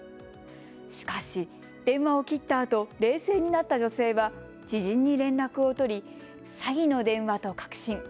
しかし電話を切ったあと冷静になった女性は知人に連絡を取り、詐欺の電話と確信。